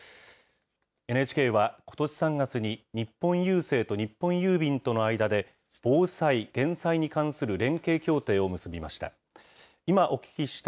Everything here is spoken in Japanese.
ＮＨＫは、ことし３月に日本郵政と日本郵便との間で、防災・減災に関する連携協定を結びました。